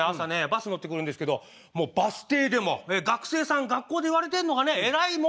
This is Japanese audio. バス乗ってくるんですけどもうバス停でも学生さん学校で言われてんのかね偉いもんですよ。